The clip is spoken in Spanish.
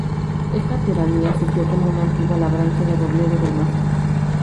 Esta pedanía surgió como una antigua labranza de Robledo del Mazo.